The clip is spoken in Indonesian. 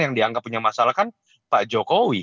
yang dianggap punya masalah kan pak jokowi